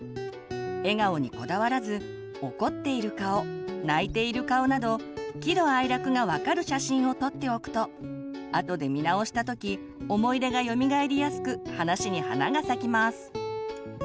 笑顔にこだわらず怒っている顔泣いている顔など喜怒哀楽が分かる写真を撮っておくとあとで見直した時思い出がよみがえりやすく話に花が咲きます。